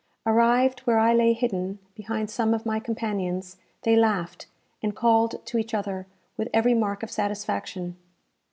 Arrived where I lay hidden behind some of my companions, they laughed, and called to each other with every mark of satisfaction.